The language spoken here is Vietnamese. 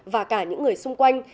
và cả những người xung quanh